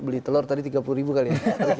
beli telur tadi tiga puluh ribu kali